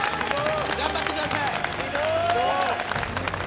頑張ってください。